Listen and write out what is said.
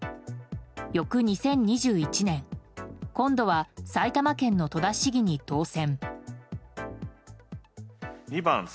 翌２０２１年今度は埼玉県の戸田市議に当選。